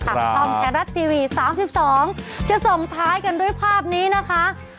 คลับทรอมแทนรัตน์ทีวี๓๒จะส่งท้ายกันด้วยภาพนี้นะคะ